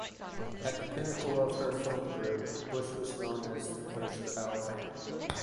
At the pinnacle of her film career, Busch was known as the "versatile vamp".